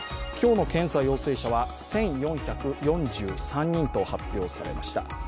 今日の検査陽性者は１４４３人と発表されました。